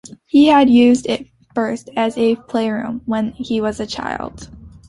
He had used it first as a playroom when he was a child